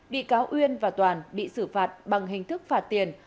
bị cáo uyên và toàn bị xử phạt bằng hình thức phạt tiền